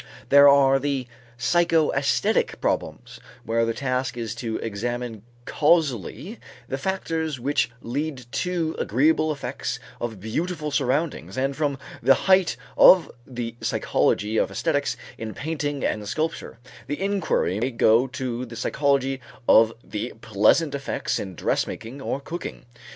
There are the psychoæsthetic problems where the task is to examine causally the factors which lead to the agreeable effects of beautiful surroundings, and from the height of the psychology of æsthetics in painting and sculpture, the inquiry may go to the psychology of the pleasant effects in dress making or cooking.